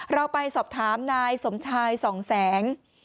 เราไปสอบถามนายสมชายส่องแสง